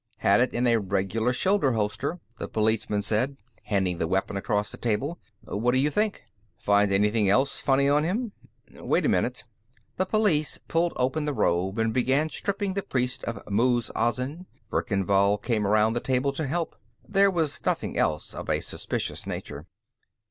"Had it in a regular shoulder holster," the policeman said, handing the weapon across the table. "What do you think?" "Find anything else funny on him?" "Wait a minute." The policeman pulled open the robe and began stripping the priest of Muz Azin; Verkan Vall came around the table to help. There was nothing else of a suspicious nature.